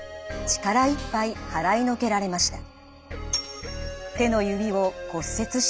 力いっぱい払いのけられました。